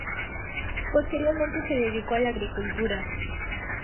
Posteriormente se dedicó a la agricultura.